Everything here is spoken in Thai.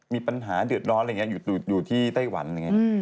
มีปัญหาเดือดร้อนอะไรอย่างนี้อยู่ที่ไต้หวันอย่างนี้